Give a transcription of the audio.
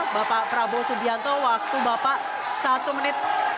bapak prabowo subianto waktu bapak satu menit